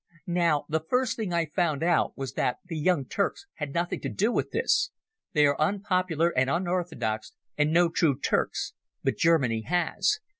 "Now the first thing I found out was that the Young Turks had nothing to do with this. They are unpopular and unorthodox, and no true Turks. But Germany has.